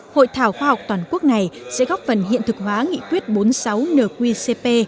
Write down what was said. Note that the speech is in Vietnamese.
hội thảo khoa học toàn quốc này sẽ góp phần hiện thực hóa nghị quyết bốn mươi sáu nqcp